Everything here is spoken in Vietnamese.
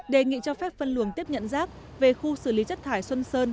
đề nghị cho phép phân luồng tiếp nhận rác về khu xử lý chất thải xuân sơn